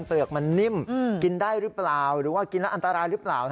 เปลือกมันนิ่มกินได้หรือเปล่าหรือว่ากินแล้วอันตรายหรือเปล่า